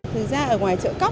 thực ra ở ngoài chợ cóc